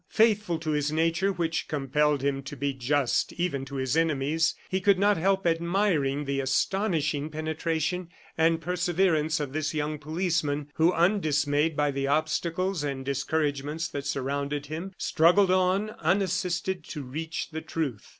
Faithful to his nature, which compelled him to be just even to his enemies, he could not help admiring the astonishing penetration and perseverance of this young policeman who, undismayed by the obstacles and discouragements that surrounded him, struggled on, unassisted, to reach the truth.